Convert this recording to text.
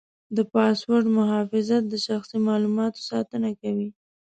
د پاسورډ محافظت د شخصي معلوماتو ساتنه کوي.